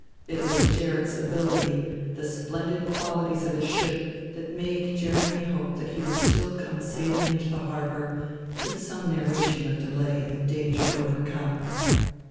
It was Gerrit's ability, the splendid qualities of his ship, that made Jeremy hope he would still come sailing into the harbor with some narration of delay and danger overcome.